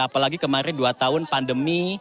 apalagi kemarin dua tahun pandemi